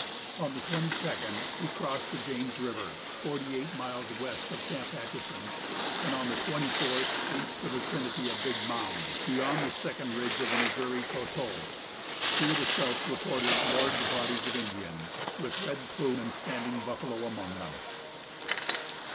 On the 22nd he crossed the James river, forty eight miles west of Camp Atchison, and on the 24th reached the vicinity of Big Mound, beyond the second ridge of the Missouri coteau. Here the scouts reported large bodies of Indians, with Red Plume and Standing Buffalo among them.